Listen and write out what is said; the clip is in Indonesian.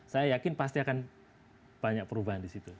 saya yakin pasti akan banyak perubahan di situ